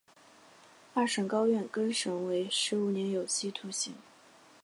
二审高院更审为十五年有期徒刑。